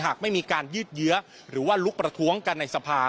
ไม่มีการยืดเยื้อหรือว่าลุกประท้วงกันในสภา